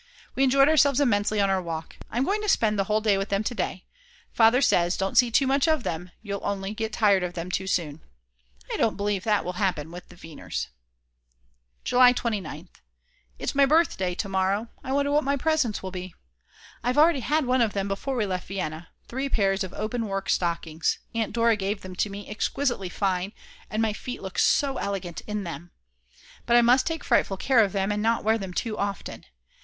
We enjoyed ourselves immensely on our walk. I'm going to spend the whole day with them to day. Father says: "Don't see too much of them; you'll only get tired of them too soon." I don't believe that will happen with the Weiners. July 29th. It's my birthday to morrow. I wonder what my presents will be. I've already had one of them before we left Vienna, 3 pairs of openwork stockings, Aunt Dora gave them to me, exquisitely fine, and my feet look so elegant in them. But I must take frightful care of them and not wear them too often.